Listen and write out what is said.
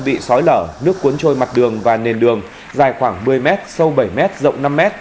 bị sói lở nước cuốn trôi mặt đường và nền đường dài khoảng một mươi m sâu bảy m rộng năm m